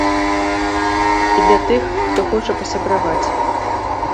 І для тых, хто хоча пасябраваць.